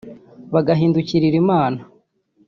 bagahindukirira Imana